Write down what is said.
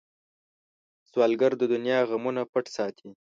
سوالګر د دنیا غمونه پټ ساتي